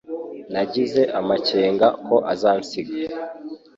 Nagize amakenga ko azansiga.